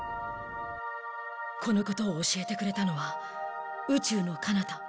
このことを教えてくれたのは宇宙のかなた